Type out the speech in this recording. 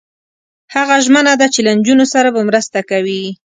هغه ژمنه ده چې له نجونو سره به مرسته کوي.